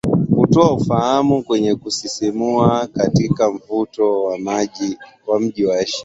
Hutoa ufahamu wenye kusisimua katika mvuto wa mji wa Asia